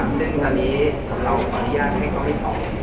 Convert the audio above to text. สแสดงตอนนี้เราขออนุญาตให้เขาไม่ต่อ